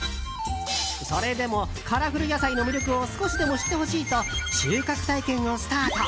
それでもカラフル野菜の魅力を少しでも知ってほしいと収穫体験をスタート。